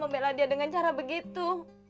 membela dia dengan cara begitu